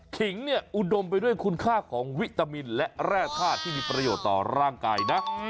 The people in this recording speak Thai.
ขิงเนี่ยอุดมไปด้วยคุณค่าของวิตามินและแร่ธาตุที่มีประโยชน์ต่อร่างกายนะ